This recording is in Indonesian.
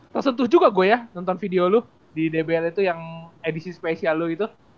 tersentuh juga gue ya nonton video loop di dbl itu yang edisi spesial lo gitu